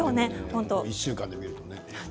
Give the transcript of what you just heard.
１週間で見るとね。